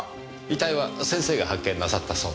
遺体は先生が発見なさったそうで。